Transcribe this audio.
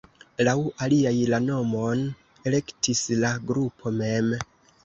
Laŭ aliaj la nomon elektis la grupo mem.